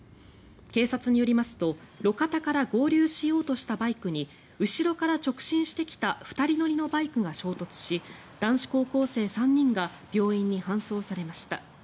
警察によりますと、路肩から合流しようとしたバイクに後ろから直進してきた２人乗りのバイクが衝突し男子高校生３人が病院に搬送されました。